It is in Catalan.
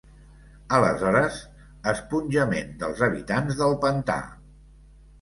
... aleshores "Esponjament dels habitants del pantà".